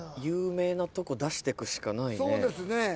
有名なとこ出してくしかないね。